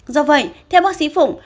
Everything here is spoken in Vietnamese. do vậy theo bác sĩ phụng